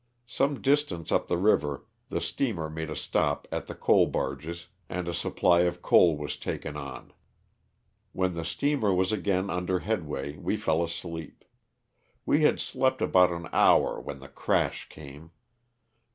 Some distance up the river the steamer made a stop at the coal barges and a supply of coal was LOSS OF THE SULTAKA. 201 taken on. When the steamer was again under head way we fell asleep. We had slept about an hour when the crash came.